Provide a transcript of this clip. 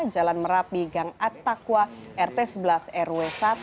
jalan merapi gang attaqwa rt sebelas rw satu